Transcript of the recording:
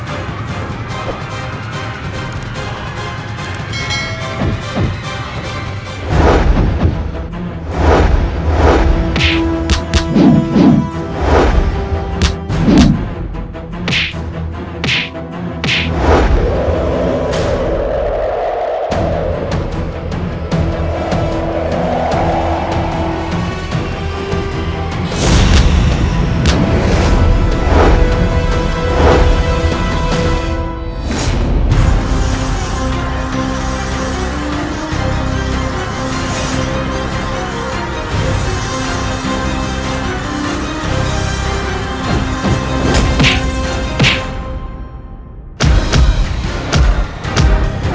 aku akan memperdoca burukmu